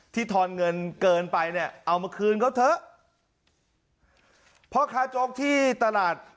ทอนเงินเกินไปเนี่ยเอามาคืนเขาเถอะพ่อค้าโจ๊กที่ตลาด